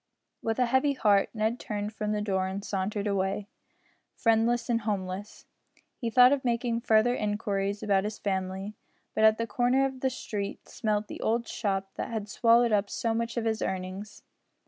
With a heavy heart Ned turned from the door and sauntered away, friendless and homeless. He thought of making further inquiries about his family, but at the corner of the street smelt the old shop that had swallowed up so much of his earnings.